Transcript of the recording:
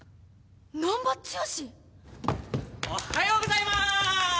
おはようございます！